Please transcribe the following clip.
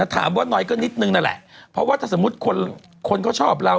ถามว่าน้อยก็นิดนึงนั่นแหละเพราะว่าถ้าสมมุติคนคนเขาชอบเรา